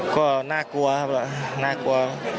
ก็น่ากลัวครับน่ากลัว